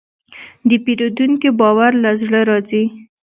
د پیرودونکي باور له زړه راځي.